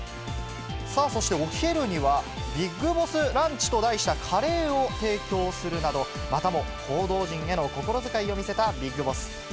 さあ、そしてお昼には、ビッグボスランチと題したカレーを提供するなど、またも報道陣への心遣いを見せたビッグボス。